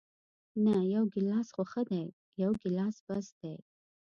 نه، یو ګیلاس خو ښه دی، یو ګیلاس بس دی.